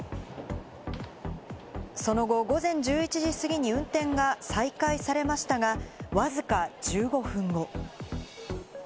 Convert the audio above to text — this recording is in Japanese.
その後、午前１１時過ぎに運転が再開されましたが、わずか１５分後。